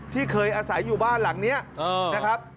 ที่เคยอาศัยอยู่บ้านหลังนี้นะครับ